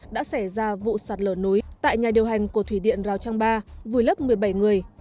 đã xảy ra vụ sạt lở núi tại nhà điều hành của thủy điện rào trang ba vùi lấp một mươi bảy người